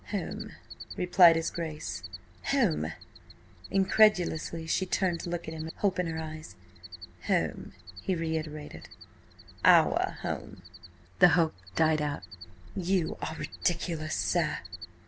"Home," replied his Grace. "Home!" Incredulously she turned to look at him, hope in her eyes. "Home," he reiterated. "Our home." The hope died out. "You are ridiculous, sir."